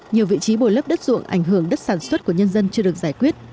nhiều vị trí bồi lấp đất ruộng ảnh hưởng đất sản xuất của nhân dân chưa được giải quyết